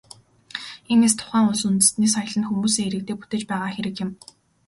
Иймээс, тухайн улс үндэстний соёл нь хүмүүсээ, иргэдээ бүтээж байгаа хэрэг юм.